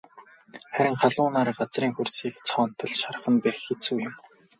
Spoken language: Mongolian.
Харин халуун нар газрын хөрсийг цоонотол шарах нь бэрх хэцүү юм.